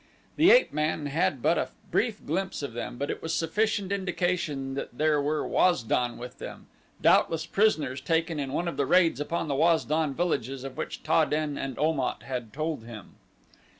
The ape man had but a brief glimpse of them but it was sufficient indication that there were Waz don with them, doubtless prisoners taken in one of the raids upon the Waz don villages of which Ta den and Om at had told him.